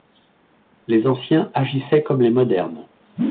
Les anciens agissaient comme les modernes.